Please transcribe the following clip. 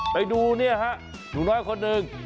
ไปดูเนี่ยฮะหนูน้อยคนหนึ่ง